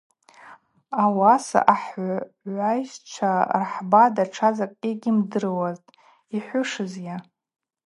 Ауаса ахгӏвайщчва рахӏба датша закӏгьи гьйымдырхуазтӏ, йхӏвушызйа.